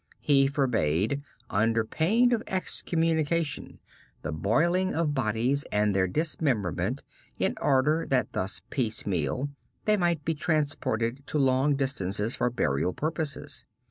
He forbade, under pain of excommunication, the boiling of bodies and their dismemberment in order that thus piecemeal they might be transported to long distances for burial purposes.